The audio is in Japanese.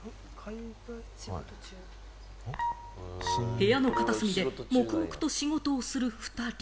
部屋の片隅で黙々と仕事をする２人。